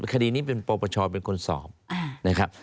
คดีนี้เป็นปปชเป็นคนสอบนะครับ